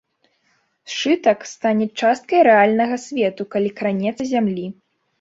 Сшытак стане часткай рэальнага свету, калі кранецца зямлі.